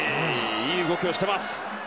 いい動きをしています。